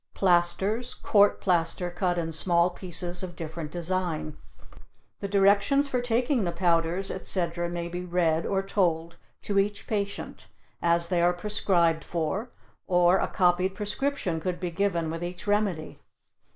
Plasters, court plaster cut in small pieces of different design. The directions for taking the powders, etc., may be read or told to each patient, as they are prescribed for, or a copied prescription could be given with each remedy.